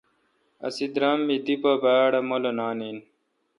اسی درام می دی پہ باڑ اؘمولانان این۔